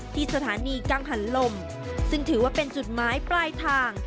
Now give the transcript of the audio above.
ที่สถานีกังหันลมซึ่งถือว่าเป็นจุดหมายปลายทาง